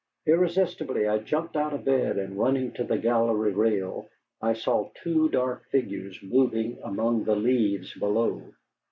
Irresistibly I jumped out of bed, and running to the gallery rail I saw two dark figures moving among the leaves below.